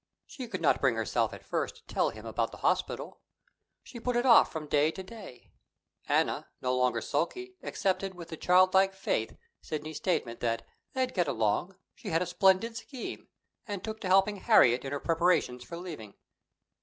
She could not bring herself at first to tell him about the hospital. She put it off from day to day. Anna, no longer sulky, accepted with the childlike faith Sidney's statement that "they'd get along; she had a splendid scheme," and took to helping Harriet in her preparations for leaving.